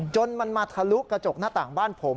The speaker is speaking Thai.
จนมันมาทะลุกระจกหน้าต่างบ้านผม